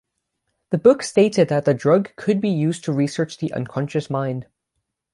The book stated that the drug could be used to research the unconscious mind.